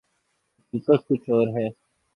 حقیقت کچھ اور ہے۔